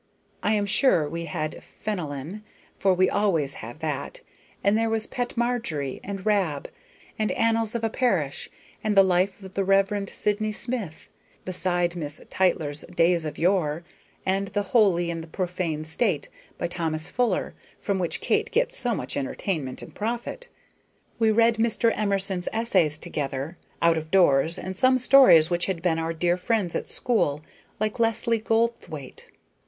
I am sure we had "Fenelon," for we always have that; and there was "Pet Marjorie," and "Rab," and "Annals of a Parish," and "The Life of the Reverend Sydney Smith"; beside Miss Tytler's "Days of Yore," and "The Holy and Profane State," by Thomas Fuller, from which Kate gets so much entertainment and profit. We read Mr. Emerson's essays together, out of doors, and some stories which had been our dear friends at school, like "Leslie Goldthwaite."